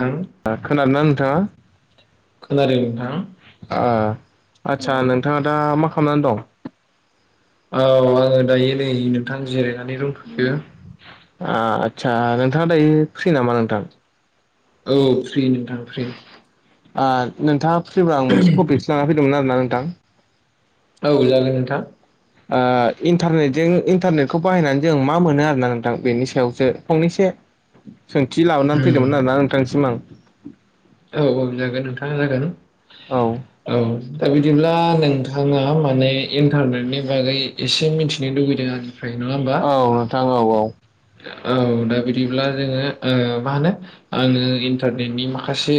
थां खोनादोंना खोनादों नोंथां नोंथाङा ओ आदसा नोंथाङा दा मा खालामनानै दं? औ आङो दायो नै नोंथां जिरायनानै दंथ'यो। आ आदसा नोंथाङा दायो फ्रि नामा नोंथां? औ फ्रि नोंथां फ्रि ओ नोंथाङा फ्रिबा आं मोनसे टपिकसो लाना फैदोंमोन आरो ना नोंथां औ जागोन नोंथां ओ इन्टारनेटजों इन्टारनेटखौ बाहायनानै जों मा मोनो आरोना नोंथां बेनि सायावसो फंनैसो सोंथि लाबोनानै उम फैदोंमोन आरोना नोंथांसिम आं औ औ जागोन नोंथां जागोन औ औ दा बिदिब्ला नोंथाङा माने इन्टारनेटनि बागै एसे मिथिनो लुुबैदों आं फ्राय नङा होमबा औ नोंथां औ औ। औ दा बिदिब्ला जोङो ओ मा होनो आङो इन्टारनेटनि माखासे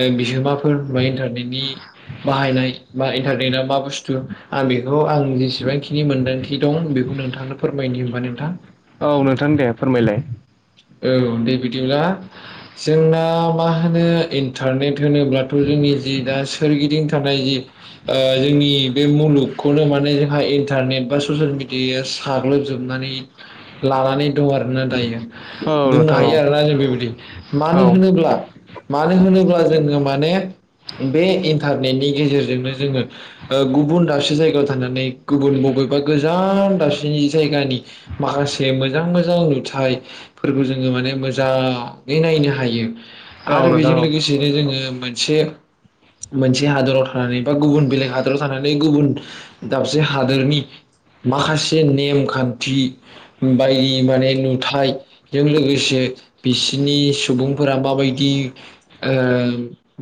ओ बिहोमा फोर इनथारनेटनि बाहायनाय बा इनथारनेटा मा बुसथु आं बे खौ आं जेसेबांखिनि मोनदांथि दं बेखौ नोंथांनो फोरमायनो होमबा नोंथां औ नोंथां दे फोरमायलाय औ दे बिदिब्ला जोंना मा होनो इन इन्टारनेट होनोब्लाथ' जोंनि जि दा सोरगिदिं थानाय ओ जि जोंनि बे मुलुगखौनो माने जोंहा इन्टारनेट बा ससियेल मिडियायाव साग्लोबजोबनानै लानानै दं आरोना दायो औ बुंनो नोंथां औ हायो आरोना जों बेबायदि मानो औ होनोब्ला मानो होनोब्ला जोङो माने बे इनटारनेटनि गेजेरजोंनो जोङो ओ गुबुन दाबसे जाय थानानै गुबुन बबेबा गोजान दाबसेनि जायगानि माखासे मोजां मोजां नुथाफोरखौ जोङो माने मोजां नायनो हायो औ आरो नोंथां बेजों औ लोगोसेनो जोङो मोनसे [inaudible] मोनसे हादराव थानानै बा गुबुन बेलेग हादराव थानानै गुबुन दाबसे हादोरनि माखासे नेमखान्थि बायदि माने नुथाय जों लोगोसे बिसिनि सुबुंफोरा माबायदि ओ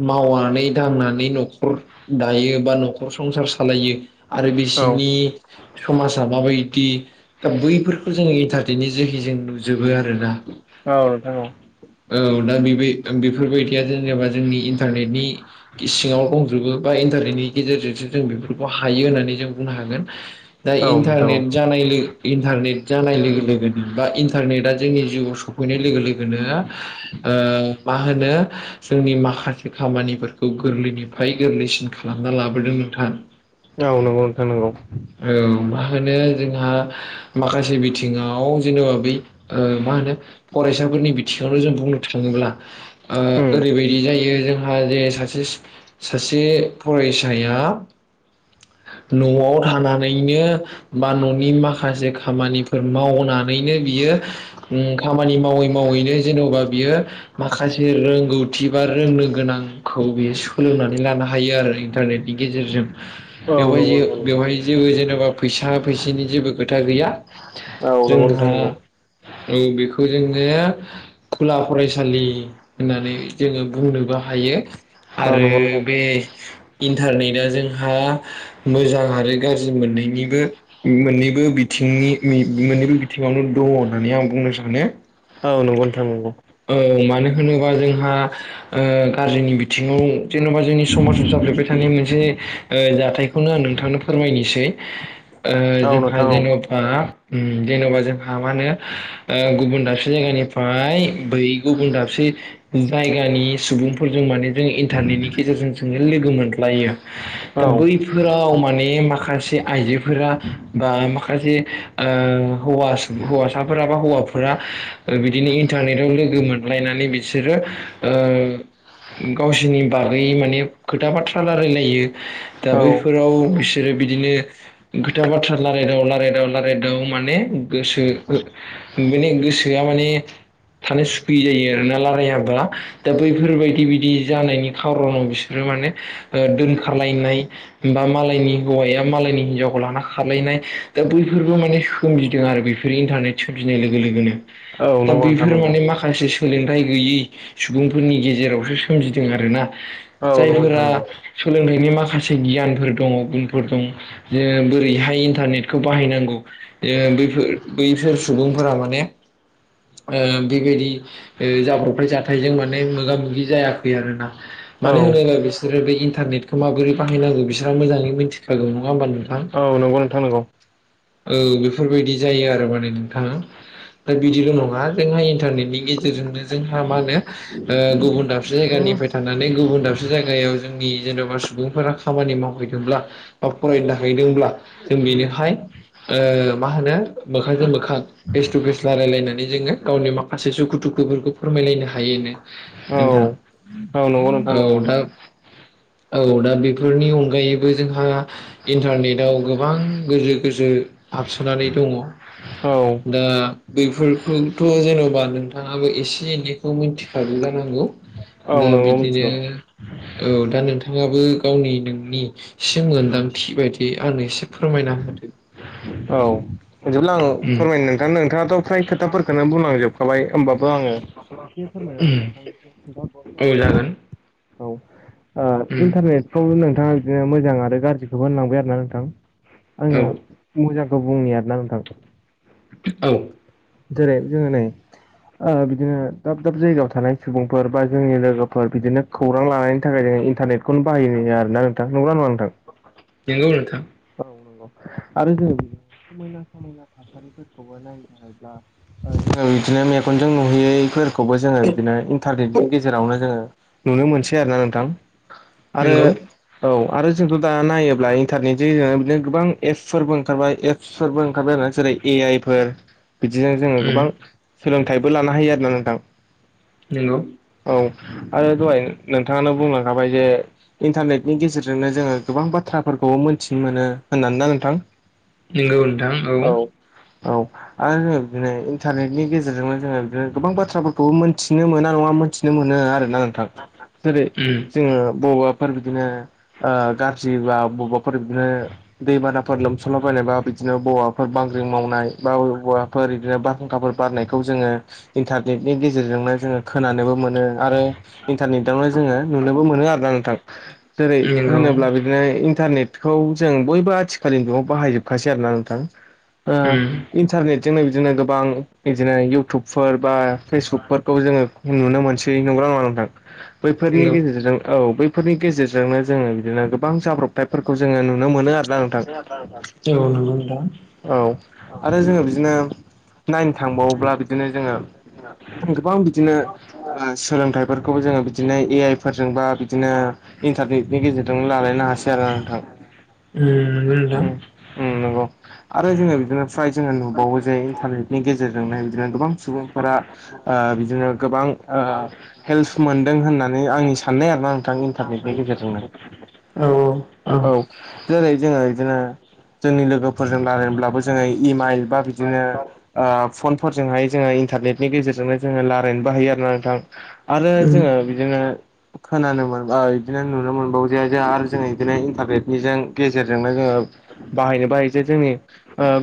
माव मावनानै दांनानै न'खर दायो बा न'खर संसार सालायो आरो औ बिसिनि समाजा माबायदि दा बैफोरखौ जो इन्टार नि जोहै जों नुजोबो आरो औ नोंथां औ औ दा बेबाइ बेफोरबायदिया जेनेबा जोंनि इन्टारनेटनि सिङाव दंजोबो बा इन्थारनेटनि गेजेरजों जों बेफोरखौ हायो होननानै जों बुंनो हागोन दा औ नोंथां औ इनथारनेट जानाय लोगो इनथारनेट जानाय लोगो लोगोनो बा इनथारनेटा जोंनि जिउआव सफैनाय लोगो लोगोनो ओ मा होनो जोंनि माखासे खामानिफोरखौ गोरलैनिफ्राय गोरलैसिन खालामना लाबोदों नोंथां। औ नंगौ नोंथां नोंगौ औ मा होनो जोंहा माखासे बिथिङाव जेनेबा बै ओ मा होनो फरायसाफोरनि बिथिङावनो जों बुंनो थाङोब्ला ओ उम ओरैबायदि जायो जोंहा जे सासे सासे फरायसाया न'आव थानानैनो बा न'नि माखासे खामानिफोर मावनानैनो बियो ओम खामानि मावै मावैनो जेन'बा बियो माखासे रोंगौथि बा रोंनो गोनां खौ बेयो सोलोंनानै लानो हायो आरो इन्टारनेटनि गेजेरजों औ बेवहाय नंगौ जे नोंथां नंगौ बेवहाय जेबो जेनेबा फैसा फैसिनि जेबो खोथा गैया। औ नंगौ नोंथां जोंहा नंगौ औ बेखौ जोङो खुला फरायसालि होननानै जोङो बुंनोबो हायो। यो औ आरो नंगौ बे नोंथां इन्टारनेटआ जोंहा मोजां आरो गाज्रि मोननैनिबो मोननैबो बिथिंनि मोननैबो बिथिङावनो दङ' होननानै आं बुंनो सानो। औ नंगौ नोथां नंगौ औ मानो होनोबा जोंहा ओ गारजिनि बिङाव जेन'बा जोंनि समाजाव जाफ्लेबाय थानाय मोनसे ओ जाथायखौनो आं नोंथांनो फोरमायनिसै ओ औ जोंहा नोंथां जेन'बा ओम जेन'बा जोंहा मा होनो गुबुन दाबसे जायगानिफ्राय बै गुबुन दाबसे जायगानि सुबुंफोरजों माने जों इन्टारनेटनि गेजेरजों जोङो लोगो मोनलायो। दा औ बैफोराव माने माखासे आइजोफोरा बा माखासे ओ हौवा हौवासाफोरा बा हौवाफोरा बिदिनो इन्टारनेटाव लोगो मोनलायनानै बिसोरो ओ गावसिनि बागै माने खोथा बाथ्रा रायलायलायो दा औ बैफोराव जेरै बिदिनो खोथा बाथ्रा रालायदाव रालायदाव रालायदाव माने गोसो माने गोसोआ माने थानो सुखि जायो आरोना रालायाबा दा बैफोरबायदि बिदि जानायनि खार'नाव बिसोरो माने दोनखारलायनाय बा मालायनि हौवाया मालायनि हिनजावखौ लाना खारलायनाय दा बैफोरबो माने सोमजिदों आरो बेफोरो इन्टारनेटजों लोगो लोगोनो औ दा नंगौ नोंथां बेफोर नंगौ माने माखासे सोलोंथाइ गैयै सुबुंफोरनि गेजेरावसो सोमजिदों आरोना औ नंगौ नोंथां जायफोरा नंगौ सोलोंथाइनि माखासे गियानफोर दङमोन। दं जे बोरैहाय इन्टारनेटखौ बाहायनांगौ बैफोर बैसोर सुबुं फोरा माने बेबायदि जाब्रबथाय जाथायजों माने मोगा मोगि जायाखै आरोना। औ मानो होनोब्ला बिसोरो बे इन्टारनेटखौ माबोरै बाहायनांगौ बिसोरहा मोजाङै मिथिखागौ नङा होमबा नोंथां? औ नंगौ नोंथां नंगौ औ औ बेफोरबायदि जायो आरो माने नोंथाङा दा बिदिल' नङा जोंहा इन्टारनेटनि गेजेराव गेजेरजोंनो जोंहा मा होनो गुबुन दाबसे औ जायगानिफ्राय थानानै गुबुन दाबसे जायगायाव जोंनि जेन'बा सुबुंफोरा खामानि मावहैदोंब्ला बा फरायनो थाहैदोंब्ला जों बेनोहाय मा होनो मोखांजों मोखां फेस टु फेस रायलायलायनानै जोङो गावनि माखासे सुखु दुखु फोरखौ फोरमायलायनो हायोनो नोंथां। औ नंगौ नोंथां औ नंगौ दा औ दा बेफोरनि अनगायैबो जोंहा इन्टारनेटआव गोबां गोजो गोजो हाबसोनानै दङ। औ दा बैफोरखौथ' जेन'बा नोंथाङाबो एसे एनैखौ मिथिखागौ जानांगौ। औ दा नंगौ बिदिनो मिथिगौ औ दा नोंथाङाबो गावनि नोंनिसिम मोनदांथि बायदि आंनो एसे फोरमायना होदो। होदो [inaudible] औ बिदिब्ला आं फोरमायनो नोंथानो नोंथाङाथ' फ्राय खोथाफोरखौनो बुंलांजोबखाबाय ओमबा बो आङो एसे उम फोरमायनानै नोंथां। खोन्थाहरबावनोसै औ आरोना जागोन। औ उम इन्टारनेटखौ नोंथाङा बिदिनो मोजां आरो गाज्रिखौबो होनलांबाय आरो ना नोंथां। औ आङो मोजांखौ बुंनि आरोना नोंथां। औ। जेरै जोङो नै बिदिनो दाब दाब जायगायाव थानाय सुबुंफोर बा जोंनि लोगोफोर बिदिनो खौरां लानायनि थाखाय जों इन्टारनेटखौनो बाहायो आरो ना नोंथां नंगौ ना नङा नोंथां? नोंगौ नोंथां। औ नंगौ आरो जों बिदि समायना समायना था बिदिनो मेगनजों नुयैफोरखौबो जोङो बिदिनो इन्टारनेजों गेजेरावनो जोङो नुनो मोनसै आरोना नोंथां। आरो नंगौ औ आरो जोंथ' दा नायोब्ला इन्टारनेटजों नो गोबां एपसफोरबो ओंखारबाय एपसफोरबो ओंखारबाय आरो ना जेरै ए आइ फोर बिदिजों जोङो उम गोबां सोलोंथाइबो लानो हायो आरोना नोंथां। नंगौ। औ आरो दहाय नोंथाङानो बुंलांखाबाय जे इन्टारनेटनि गेजेरजोंनो जोङो गोबां बाथ्रा फोरखौबो मोन्थिनो मोनो होननानै ना नोंथां। नोंगौ नोंथां औ। औ। आरो बिदिनो इन्टारनेटनि गेजेरजोंनो जोङो बिदिनो गोबां बाथ्राफोरखौबो मोनथिनो मोना नङा मोनथिनो मोनो आरो नोंथां जेरै उम जोङो बबेबा फोर बिदिनो गाज्रि बा बबेबाफोर बिदिनो दैबानाफोर लोमसलाबायनायबा बि बिदिनो बबेवावफोर बांग्रिं मावनाय बा बबेवावफोर बिदिनो बारहुंखाफोर बारनायखौ जोङो इन्टारनेटनि गेजेरजोंनो जोङो खोनानोबो मोनो आरो इन्टारनेटावनो जोङो नुनोबो मोनो आरो ना नोंथां जेरै नंगौ होनोब्ला बिदिनो इन्टारनेट बेखौ जों बयबो आथिखालनि न'आव बाहायजोबखासै आरो ना नोंथां। ओ उम। इन्टारनेटजोंनो बिदिनो गोबां बिदिनो इउटुबफोर बा फेसबुकफोरखौ जोङो नुनो मोनसै नंगो ना नङा नोंथां? बैफोरनि नंगौ गेजेरजों औ बै फोरनि गेजेरजोंनो जोङो बिदिनो गोबां जाब्रबथायफोरखौ जोङो नुनो मोनो आरो ओ‌ नंगौ नोंथां। औ आरो जोङो बिदिनो नायनो थांबावोब्ला बिदिनो जोङो गोबां बिदिनो सोलोंथाइफोरखौबो जोङो बिदिनो ए आइ फोरजोंबा बिदिनो इन्टारनेटनि गेजेरजोंनो लालायनो हासै आरो नोंथां। उम नंगौ नोंथां। उम उम नंगौ आरो जोङो बिदिनो फ्राय जोङो नुबावो जे इन्टारनेटनि गेजेरजों। बिनो गोबां सुबुंफोरा बिदिनो गोबां हेल्प मोनदों होनना होननानै आंनि साननाय आरो ना नोंथां। इन्टारनेटनि गेजेरजोंनो औ औ औ। जेरै जोङो बिदिनो जोंनि लोगोफोरजों रायलायब्लाबो जों इमाइल बा बिदिनो फनजोंहाय जों इन्टारनेनि गेजेरजोंनो जो रालायनोबो हायो। थां आरो जोङो बिदिनो खोनानो मोना बिदिनो नुनो मोनबावो जाया जे आरो जोङ बिदिनो इन्टारनेटनिजों गेजेरजोंनो जोङो बाहायनो बाहायो जे जोंनि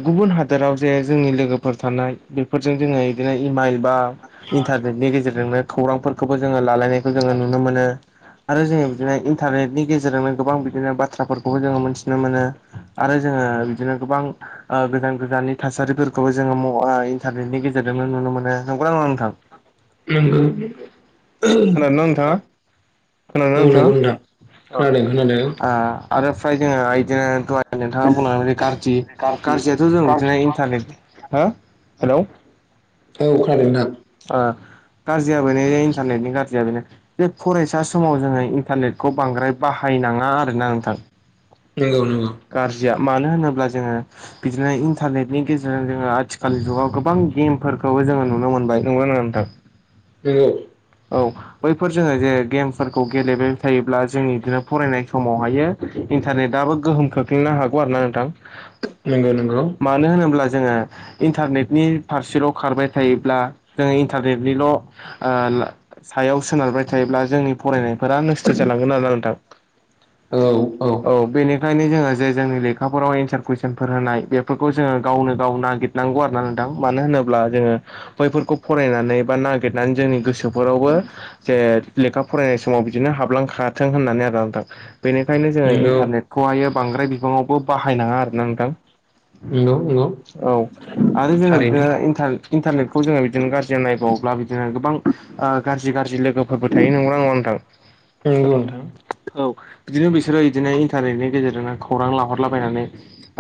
गुबुन हादोराव जे जोंनि लोगोफोर थानाय बेफोरजों जोङो बिदिनो इमाइल बा इन्टारनेटनि गेजेरजोंनो खौरांफोरखौबो जोङो लालायनाय। नुनो मोनो आरो जों बिदिनो इन्टारनेटनि गेजेरजों। गेजेरजोंनो गोबां बिदिनो बाथ्राफोरखौबो जोङो मोनथिनो मोनो आरो जोङो बिदिनो गोबां। गोजान गोजाननि थासारिफोरखौबो जोङो मबाइल इन्टारनेटनि गेजेरजोंनो नुनो मोनो नंगौ ना नङा नोंथां? औ औ नंगौ औ खोनादोंना नोंथाङा नंगौ नोंथां। खोनादों खोनादों अ आरो फ्राय जोङो बिदिनो नोंथाङा बुंनानै बि गाज्रि। गाज्रियाथ' जों बिदिनो इन्टारनेट हो हेलौ। औ खानादों नोंथां। अ गाज्रिया बेनो इन्टारनेटनि गाज्रिया बेनो बे फरायसा समाव जोङो इन्टारनेटखौ बांद्राय बाहायो। नाङा आरोना नोंथां। नंगौ नंगौ। गाज्रिया मानो होनोब्ला जोङो बिदिनो इन्टारनेटनि गेजेरजों जोङो आथिखाल जुगाव गोबां गेमफोरखौ। जों नोनो मोनबाय नंगौ ना नोंथां। नंगौ। औ बैफोर जोङो जे गेम्सफोरखौ गेलेबाय थायोब्ला जोंनि बिदिनो फरायनाय समावहायो। इन्टारनेटआबो गोहोम खोख्लैनो हागौ आरो ना नोंथां। नंगौ नंगौ। मानो होनोब्ला जोङो इन्टारनेटनि फारसेल' खारबाय थायोब्ला जोङो इन्टारनेटनिल' ओ सायाव सोनारबाय थायोब्ला जोंनि फरायनायफोरा नस्थ' जालांगोन आरो नोंथां। औ औ। ओंखायनो जोङो जे जोंनि लेखाफोराव एन्सार कुइसनफोर होनाय बेफोरखौ जोङो गावनो गाव नागिरनांगौ आरो ना नोंथां। मानो होनोब्ला जोङो बैफोरखौ फरायनानै बा नागिरनानै जोंनि गोसो। बेफोरावबो जे लेखा फरायनाय समाव बिदिनो हाबलांखाथों होननानै आरो लांदां। बेनिखायनो जोङो नंगौ इन्टारनेटखौहायो बांद्राय बिबाङावबो बाहायनाङा आरोना नोंथां। नंगौ। नंगौ औ आरो जोङो थारैनो बिदिनो इन्टारनेटखौ जोङो बिदिनो गाज्रि नायबावोब्ला बिदिनो गोबां। गाज्रि गाज्रि लोगोफोरबो थायो नंगौ नङा नोंथां। नंगौ नोंथां औ बिदिनो बिसोरो बिदिनो। गेजेरजोंनो खौरां लाहरलाबायनानै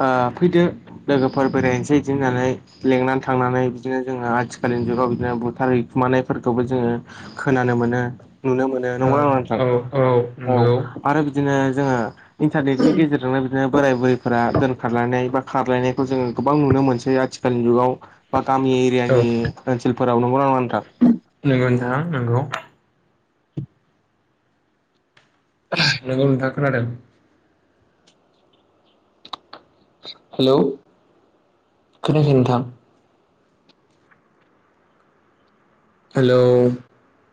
ओ फैदो लोगोफोर बेरायनोसै बिदि होननानै लेंनानै थांनानै बिदिनो जोङो आथिखालनि जुगाव बिदिनो बुथारैखुमानायफोरखौबो। जोङो खोनानो मोनो। नुनो मोनो नंगौना नङा नोंथां औ औ औ नंगौ आरो बिदिनो। जोङो इन्टारनेटनि गेजेरजोंनो बिदिनो बोराय बुरैफोरा दोनखारलायनाय बा खारलायनायखौ जोङो गोबां नुनो। मोनसै आथिखालनि जुगाव बा गामि औ एरियानि ओनसोलफोराव नंगौ ना नङा नोंथां? नंगौ नोंथां नंगौ। नोंगौ नोंथां खोनादों? हेलौ खोनादों नोंथां। हेल'।